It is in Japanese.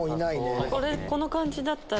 この感じだったら。